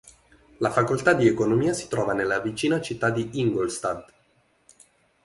La facoltà di economia si trova nella vicina città di Ingolstadt.